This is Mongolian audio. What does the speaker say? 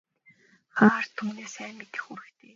Хаан ард түмнээ сайн мэдэх үүрэгтэй.